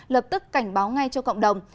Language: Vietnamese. lập tức cảnh báo ngay cho cộng đồng